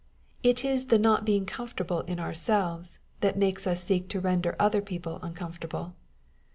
It is the not being comfortable in our eelves, that makes us seek to render other people uncom fortable.